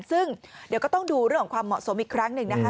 ซึ่งเดี๋ยวก็ต้องดูเรื่องของความเหมาะสมอีกครั้งหนึ่งนะคะ